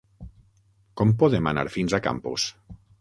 Com podem anar fins a Campos?